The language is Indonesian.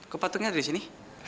kok patungnya ada di sini